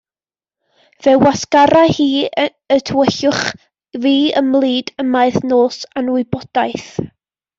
Fe wasgara hi y tywyllwch, fe ymlid ymaith nos anwybodaeth.